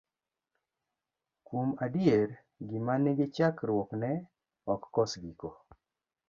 Kuom adier gima nigi chakruok ne ok kos giko.